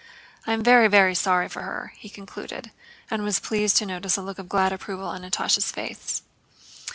I am very, very sorry for her," he concluded, and was pleased to notice a look of glad approval on Natásha's face.